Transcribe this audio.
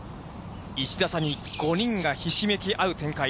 １打差に５人がひしめき合う展開。